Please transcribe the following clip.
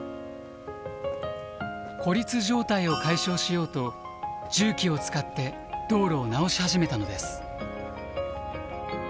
孤立状態を解消しようと重機を使って道路を直し始めたのです。